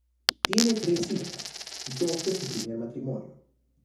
Tiene tres hijas, dos de su primer matrimonio.